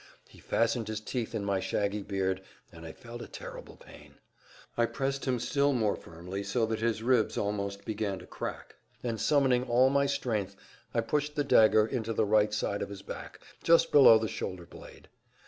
He fastened his teeth in my shaggy beard, and I felt a terrible pain. I pressed him still more firmly so that his ribs almost began to crack and, summoning all my strength, I pushed the dagger into the right side of his back, just below the shoulderblade.